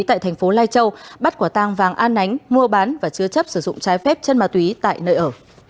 tại thành phố lai châu bắt quả tang vàng an ánh mua bán và chứa chấp sử dụng trái phép chân ma túy tại nơi ở